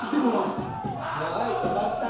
はいわかった！